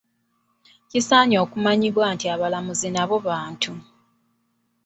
Nkisaanye okumanyibwa nti abalamuzi nabo bantu.